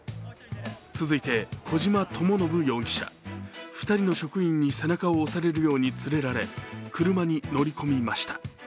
続いて小島智信容疑者、２人の職員に背中を押されるように連れられ車に乗り込みました。